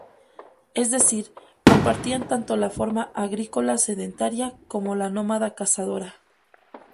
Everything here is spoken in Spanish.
Es decir, compartían tanto la forma agrícola-sedentaria como la nómada-cazadora.